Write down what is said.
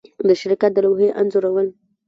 د شرکت د لوحې انځورول